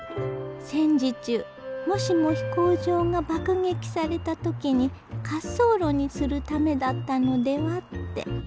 戦時中もしも飛行場が爆撃された時に滑走路にするためだったのではって。